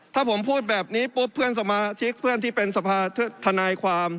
ถ้าผมพูดแบบนี้ปุ๊บเพื่อนสมาชิกเพื่อนที่เป็นสภาธนายความ